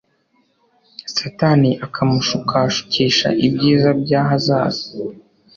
Satani akamushukashukisha ibyiza by'ahazaza.